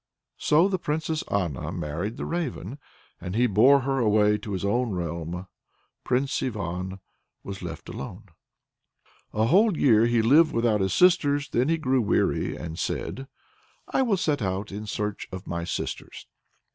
So the Princess Anna married the Raven, and he bore her away to his own realm. Prince Ivan was left alone. A whole year he lived without his sisters; then he grew weary, and said: "I will set out in search of my sisters."